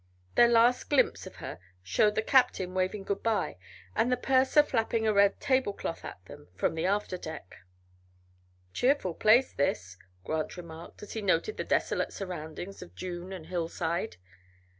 Their last glimpse of her showed the captain waving good by and the purser flapping a red tablecloth at them from the after deck. "Cheerful place, this," Grant remarked, as he noted the desolate surroundings of dune and hillside.